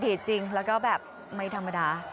จริงแล้วก็แบบไม่ธรรมดา